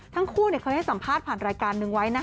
ทั้งคู่เคยให้สัมภาษณ์ผ่านรายการนึงไว้